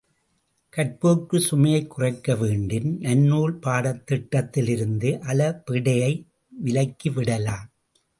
கற்போர்க்குச் சுமையைக் குறைக்க வேண்டின், நன்னூல் பாடத்திட்டத்திலிருந்து அளபெடையை விலக்கிவிடலாம்.